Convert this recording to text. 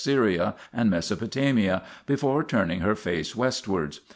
Syria and Mesopotamia before turning her face westwards.